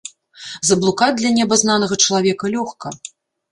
Заблукаць для неабазнанага чалавека лёгка.